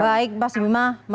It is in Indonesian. baik mas bima